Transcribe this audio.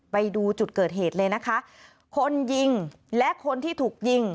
ไปดูจุดเกิดเหตุเลยนะคะคนยิงและคนที่ถูกยิง